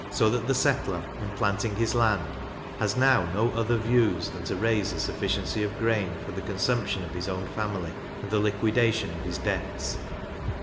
so that the settler, in planting his land, has now no other views than to raise a sufficiency of grain for the consumption of his own family, and the liquidation of his debts.